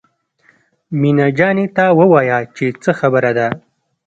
مينه جانې ته ووايه چې څه خبره ده.